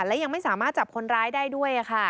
และยังไม่สามารถจับคนร้ายได้ด้วยค่ะ